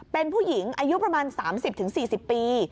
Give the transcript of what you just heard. เป็นผู้หญิงอายุประมาณ๓๐๔๐ปี